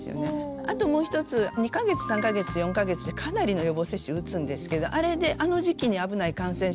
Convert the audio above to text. あともう一つ２か月３か月４か月でかなりの予防接種打つんですけどあれであの時期に危ない感染症を抑えてるんですね。